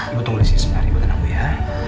ibu tunggu disini sebentar ibu tenang ya